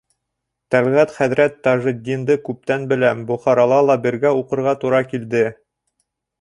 Тәлғәт хәҙрәт Тажетдинды күптән беләм, Бохарала ла бергә уҡырға тура килде.